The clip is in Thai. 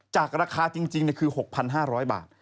จากราคาจริงคือ๖๕๐๐บาท